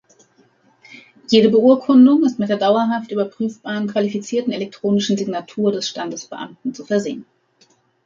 Jede Beurkundung ist mit der dauerhaft überprüfbaren qualifizierten elektronischen Signatur des Standesbeamten zu versehen.